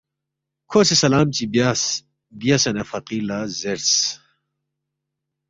کھو سی سلام چی بیاس، بیاسے نہ فقیر لہ زیرس،